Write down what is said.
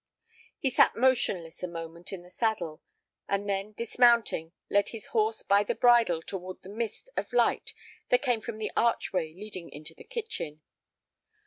He sat motionless a moment in the saddle, and then, dismounting, led his horse by the bridle toward the mist of light that came from the archway leading into the kitchen.